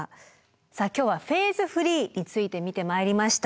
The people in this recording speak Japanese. さあ今日はフェーズフリーについて見てまいりました。